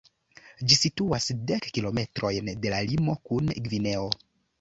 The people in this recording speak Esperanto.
Ĝi situas dek kilometrojn de la limo kun Gvineo.